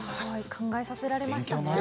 考えさせられました。